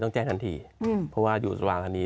ต้องแจ้งทันทีเพราะว่าหยุดระวังทางนี้